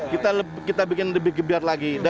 kita bikin lebih kebiar lagi